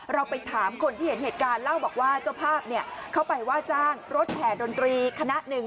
เราไปถามคนที่เห็นเหตุการณ์เล่าบอกว่าเจ้าภาพเข้าไปว่าจ้างรถแห่ดนตรีคณะหนึ่ง